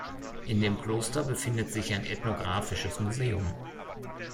In dem Kloster befindet sich ein ethnographisches Museum.